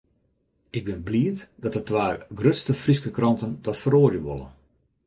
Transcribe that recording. Ik bin bliid dat de twa grutste Fryske kranten dat feroarje wolle.